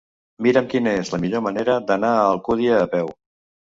Mira'm quina és la millor manera d'anar a Alcúdia a peu.